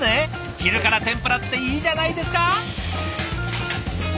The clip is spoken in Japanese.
昼から天ぷらっていいじゃないですか！